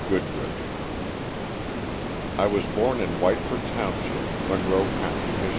GOODRICH. I WAS born in Whiteford township, Monroe county, Mich.